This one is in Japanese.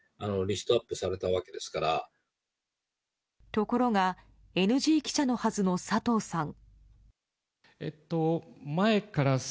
ところがＮＧ記者のはずの佐藤さん。